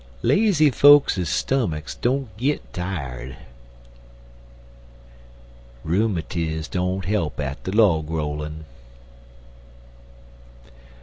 Lazy fokes' stummucks don't git tired. Rheumatiz don't he'p at de log rollin'.